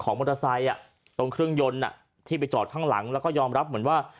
มอเตอร์ไซค์ตรงเครื่องยนต์ที่ไปจอดข้างหลังแล้วก็ยอมรับเหมือนว่า